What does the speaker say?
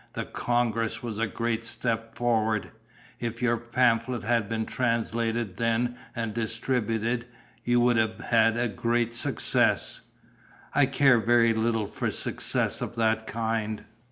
The congress was a great step forward. If your pamphlet had been translated then and distributed, you would have had a great success." "I care very little for success of that kind."